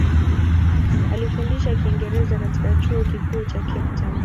Alifundisha Kiingereza katika Chuo Kikuu cha Cape Town.